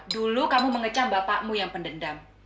dulu kamu mengecam bapakmu yang pendendam